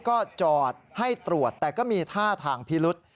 ก็จอดให้ตรวจแต่ก็มีท่าทางพิรุษ